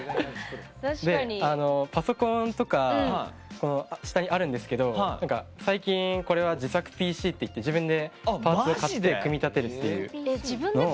パソコンとか下にあるんですけど最近、これは自作ＰＣっていって自分でパーツを買って組み立てるっていう。